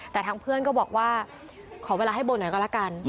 แต่ทางเพื่อนก็บอกว่าขอเวลาให้โบหน่อยก็แล้วกัน